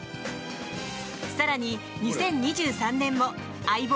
更に、２０２３年も「相棒」